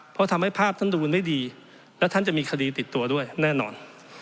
เพราะทำให้ภาพท่านดูมันไม่ดีและท่านจะมีคดีติดตัวด้วยแน่นอน